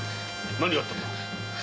何があったんだ？